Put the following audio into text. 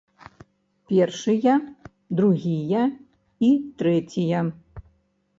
Першыя, другія і трэція.